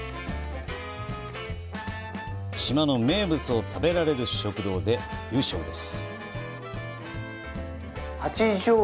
島の名物を食べられる食堂で夕食です。